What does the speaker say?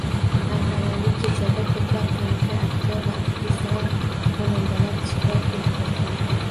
Tantanali kechada ko‘plab taniqli aktyor va aktrisalar, xonandalar ishtirok etdi